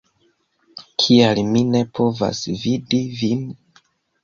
Kial mi ne povas vidi vin?